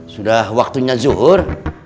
sudah waktunya zuhur